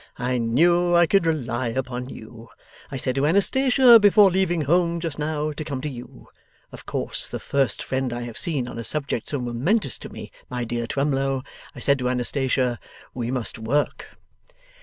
I knew I could rely upon you. I said to Anastatia before leaving home just now to come to you of course the first friend I have seen on a subject so momentous to me, my dear Twemlow I said to Anastatia, "We must work."